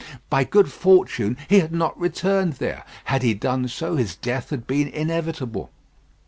By good fortune he had not returned there. Had he done so, his death had been inevitable.